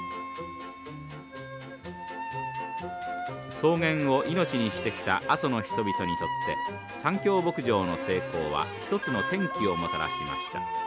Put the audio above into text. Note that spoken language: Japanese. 草原を命にしてきた阿蘇の人々にとって三共牧場の成功は一つの転機をもたらしました。